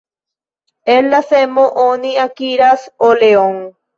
El la semo oni akiras oleon.